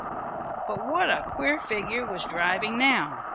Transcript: But what a queer figure was driving now.